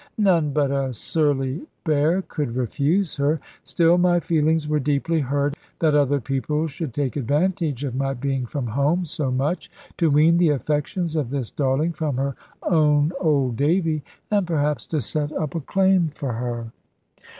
None but a surly bear could refuse her; still my feelings were deeply hurt, that other people should take advantage of my being from home so much, to wean the affections of this darling from her own old Davy, and perhaps to set up a claim for her.